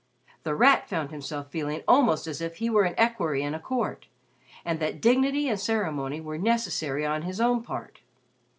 The Rat found himself feeling almost as if he were an equerry in a court, and that dignity and ceremony were necessary on his own part.